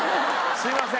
すみません。